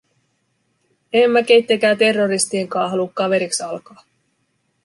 En mä keittenkää terroristien kaa haluu kaveriks alkaa!”